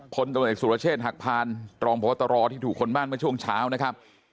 คนตัวเอกสุรเชษหักพานตรองพวัตรตรอที่ถูกค้นบ้านมาช่วงเช้านะครับ